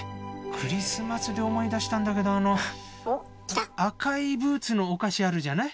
「クリスマス」で思い出したんだけどあの赤いブーツのお菓子あるじゃない？